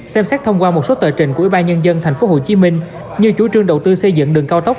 xem xét thông qua một số tờ trình của ủy ban nhân dân tp hcm như chủ trương đầu tư xây dựng đường cao tốc